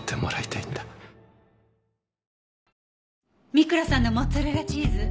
三倉さんのモッツァレラチーズ。